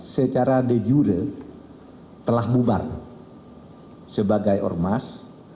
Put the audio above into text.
secara de jure telah bubar sebagai ormas